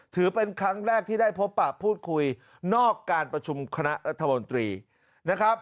ถือเป็นครั้งแรกที่ได้พบปะพูดคุยนอกการประชุมคณะรัฐมนตรีนะครับ